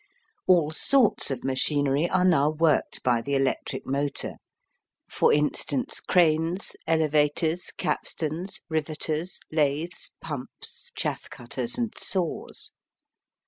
All sorts of machinery are now worked by the electric motor for instance, cranes, elevators, capstans, rivetters, lathes, pumps, chaff cutters, and saws.